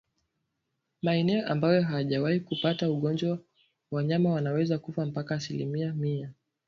Maeneo ambayo ayajawahi kupata ugonjwa wanyama wanaweza kufa mpaka asilimia mia